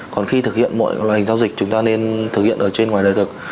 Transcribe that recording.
còn khi thực hiện mọi loại hình giao dịch chúng ta nên thực hiện ở trên ngoài đời thực